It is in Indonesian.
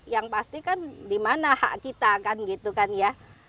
yang pasti kan di mana hak kita kan gitu kan ya